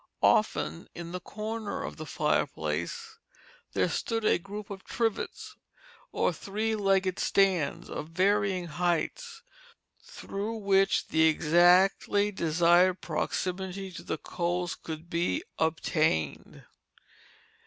Often in the corner of the fireplace there stood a group of trivets, or three legged stands, of varying heights, through which the exactly desired proximity to the coals could be obtained.